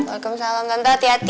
waalaikumsalam tante hati hati